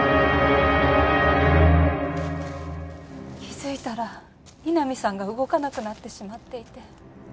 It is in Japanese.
気づいたら井波さんが動かなくなってしまっていて。